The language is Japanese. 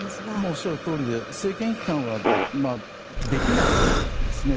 おっしゃるとおりで政権批判はできないんですね。